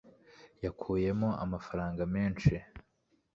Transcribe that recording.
yakuyemo amafaranga menshi